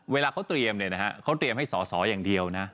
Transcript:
เวลาเขาเตรียมเขาเตรียมให้สออย่างเดียวนะ